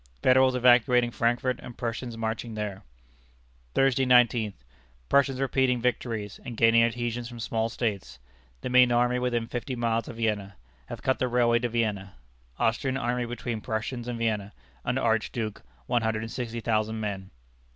Federals evacuating Frankfort, and Prussians marching there." "Thursday, 19th. Prussians repeating victories, and gaining adhesions from small States. The main army within fifty miles of Vienna have cut the railway to Vienna. Austrian army between Prussians and Vienna, under Archduke, one hundred and sixty thousand men.